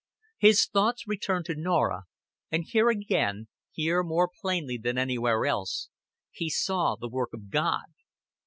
His thoughts returned to Norah, and here again here more plainly than anywhere else he saw the work of God.